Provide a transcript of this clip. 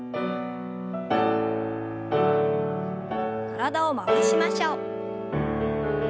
体を回しましょう。